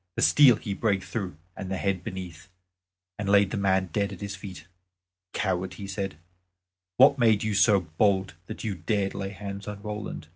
The steel he brake through and the head beneath, and laid the man dead at his feet. "Coward," he said, "what made you so bold that you dared lay hands on Roland?